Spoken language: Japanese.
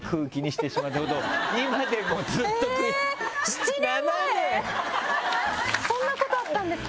７年⁉そんなことあったんですか？